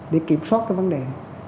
để kiểm soát cái vấn đề